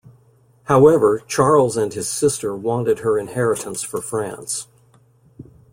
However, Charles and his sister wanted her inheritance for France.